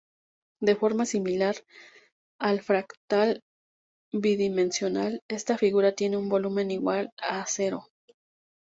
De forma similar al fractal bidimensional, esta figura tiene un volumen igual a cero.